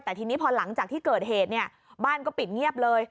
แต่ทีนี้พอหลังจากที่เกิดเหตุเนี่ยบ้านก็ปิดเงียบเลย